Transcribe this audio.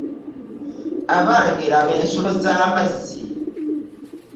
Abange, laba ensulo za mazzi.